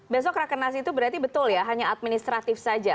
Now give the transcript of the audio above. besok rakenas itu berarti betul ya hanya administratif saja